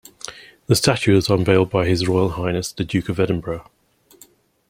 The statue was unveiled by His Royal Highness, The Duke of Edinburgh.